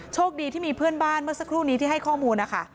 โชคดีที่มีเพื่อนบ้านเมื่อสักครู่นี้ที่ให้ข้อมูลนะคะ